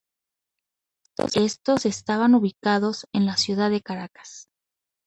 Estos estaban ubicados en la ciudad de Caracas.